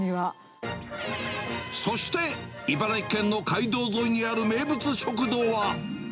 そして、茨城県の街道沿いにある名物食堂は。